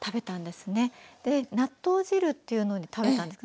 納豆汁っていうので食べたんです。